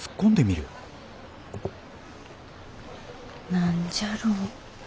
何じゃろう。